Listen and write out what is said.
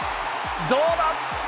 どうだ。